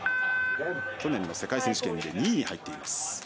去年の世界選手権で２位に入っています。